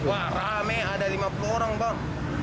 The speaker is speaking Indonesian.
wah rame ada lima puluh orang bang